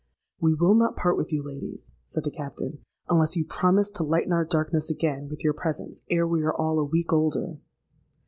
'We will not part with you, ladies,' said the Captain, 'unless you promise to lighten our darkness again with your presence ere we are all a week older.'